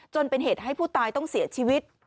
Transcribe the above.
จนเป็นเหตุให้ผู้ตายต้องเสียชีวิต